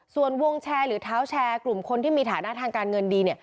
ส่วนวงแชร์หรือเท้าแชร์กลุ่มคนที่มีฐานะทางการเงินดี